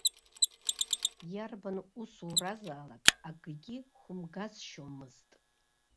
Иарбан усуразаалак, акгьы хәымгасшьомызт.